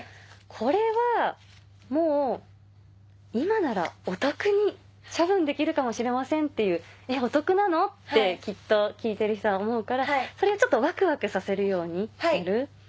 これはもう「今ならお得に処分できるかもしれません」っていう「えっお得なの？」ってきっと聞いてる人は思うからそれをちょっとワクワクさせるようにやる。